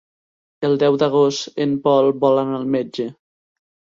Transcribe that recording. El deu d'agost en Pol vol anar al metge.